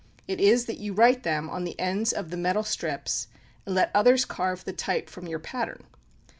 It is that you write them on the ends of the metal strips, and let others carve the type from your pattern.